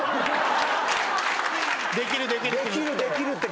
できるできるって。